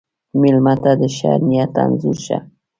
مېلمه ته د ښه نیت انځور شه.